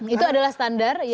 itu adalah standar yang